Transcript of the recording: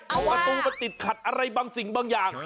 เพราะประตูมันติดขัดอะไรบางสิ่งบางอย่าง